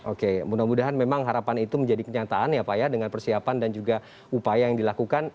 oke mudah mudahan memang harapan itu menjadi kenyataan ya pak ya dengan persiapan dan juga upaya yang dilakukan